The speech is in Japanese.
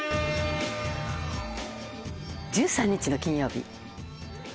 『１３日の金曜日』。